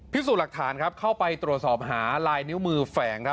พิสูจน์หลักฐานเข้าไปตรวจสอบหาลายนิ้วมือแฝง